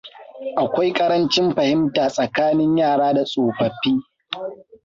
Akwai ƙarancin fahimta tsakanin yara da tsofaffi.